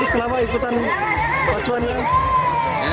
terus kenapa ikutan pacuannya